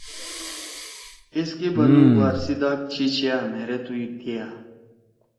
ایس کے بنَدُو وارسی داک چھی چھیا مھیرے تُو دیا۔